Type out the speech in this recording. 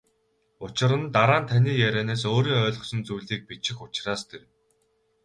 Учир нь дараа нь таны ярианаас өөрийн ойлгосон зүйлийг бичих учраас тэр.